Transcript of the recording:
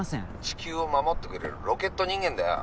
地球を守ってくれるロケット人間だよ。